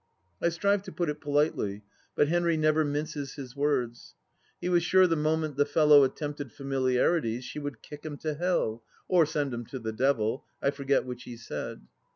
I strive to put it politely, but Henry never minces his words. He was sure the moment the fellow attempted familiarities, she would kick him to Hell — or send him to the Devil ! I forget which he said.